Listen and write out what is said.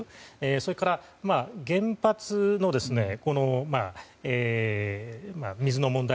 それから、原発の水の問題。